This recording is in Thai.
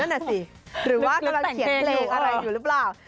นั่นน่ะสิหรือว่ากำลังเขียนเพลงอะไรอยู่หรือเปล่า